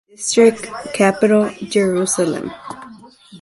District capital: Jerusalem.